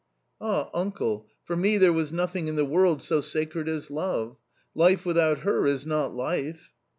" Ah, uncle, for me there was nothing in the world so sacred as love —life without her is not life